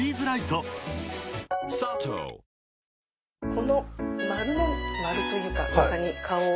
この丸の丸というか中に顔を。